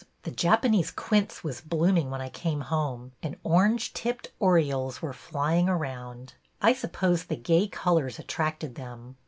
The Japanese quince was blooming when I came home, and orange tipped orioles were flying around. I suppose the gay colors attracted them.